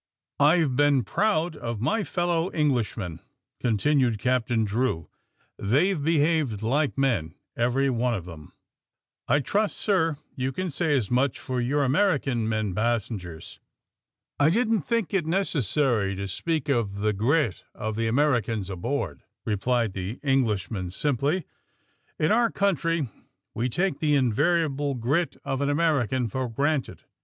'^IVe been proud of my fellow Englishmen," continued Captain Drew. *^ They've behaved like men, everyone of them. '* I trust, sir, you can say as much for your American men passengers."* '^I didn't think it necessary to speak of the grit of the Americans aboard, '' replied the Eng lishman simply. *^In our country we take the invariable grit of an American for granted."